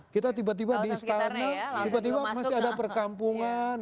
kita tiba tiba di istana tiba tiba masih ada perkampungan